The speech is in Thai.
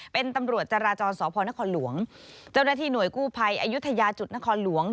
เป็นตำรวจจราจรสพนครหลวงเจ้าหน้าที่หน่วยกู้ภัยอายุทยาจุดนครหลวง